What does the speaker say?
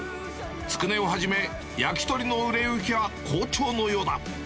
つくねをはじめ、焼き鳥の売れ行きは好調のようだ。